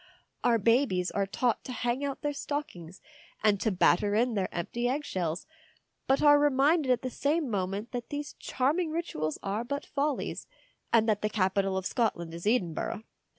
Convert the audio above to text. Our babies are taught to hang out their stockings and to batter in their empty egg shells, but are reminded at the same moment that these charming rituals are but follies, and that 15 210 THE DAY BEFORE YESTERDAY the capital of Scotland is Edinburgh.